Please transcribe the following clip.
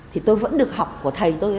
thì tôi vẫn được học của thầy tôi